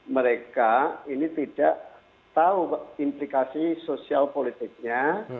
mereka ini tidak tahu implikasi sosial politiknya